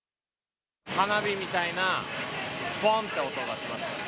花火みたいなぼーんって音がしました。